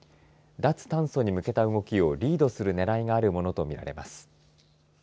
脱炭素に向けた動きをリードするねらいがあるものとみられます。